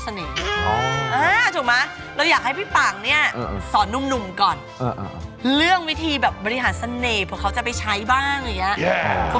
คนผู้ชมทางบ้านถ้าผื่อว่าเป็นผู้ชายอยู่